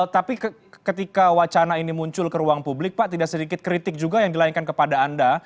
tapi ketika wacana ini muncul ke ruang publik pak tidak sedikit kritik juga yang dilayangkan kepada anda